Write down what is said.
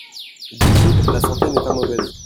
dit-il, la santé n'est pas mauvaise.